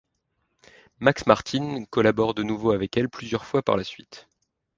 Max Martin collabore de nouveau avec elle plusieurs fois par la suite.